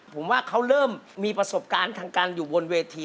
ผมว่าเขาเริ่มมีประสบการณ์ทางการอยู่บนเวที